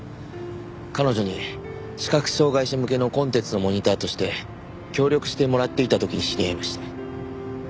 彼女に視覚障害者向けのコンテンツのモニターとして協力してもらっていた時に知り合いました。